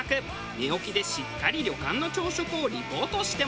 寝起きでしっかり旅館の朝食をリポートしてもらいます。